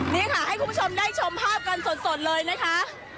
นี่ค่ะให้คุณผู้ชมได้ชมภาพกันสดเลยนะคะ